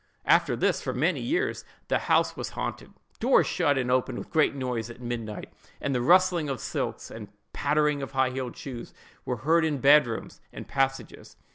"After this, for many years, the house was haunted: doors shut and opened with great noise at midnight; and the rustling of silks, and pattering of high heeled shoes, were heard in bed rooms and passages.